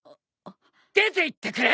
出ていってくれ！